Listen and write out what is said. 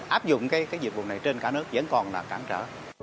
áp dụng cái dịch vụ này trên cả nước vẫn còn là cản trở